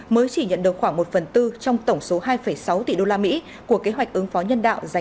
mới chỉ nhận được khoảng một phần tư trong tổng số hai sáu tỷ đô la mỹ của kế hoạch ứng phó nhân đạo dành cho sudan